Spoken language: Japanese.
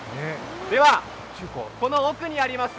では、この奥にあります